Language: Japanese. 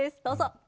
どうぞ。